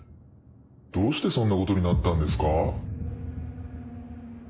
どうしてそんなことになったんですか？